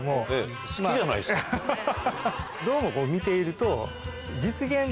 どうもこう見ていると。